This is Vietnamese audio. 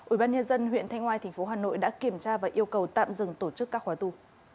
ủy ban nhân dân huyện thanh ngoai tp hà nội đã kiểm tra và yêu cầu tạm dừng tổ chức các khóa tu